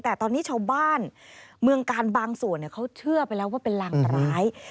แต่ตอนนี้ชาวบ้านเมืองกาลบางส่วนเขาเชื่อไปแล้วว่าเป็นรางร้าย